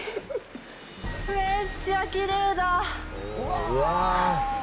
めっちゃきれいだ！